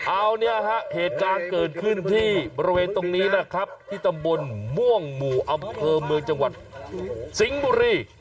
เอาเนี่ยฮะเหตุการณ์เกิดขึ้นที่บริเวณตรงนี้นะครับที่ตำบลม่วงหมู่อำเภอเมืองจังหวัดสิงห์บุรี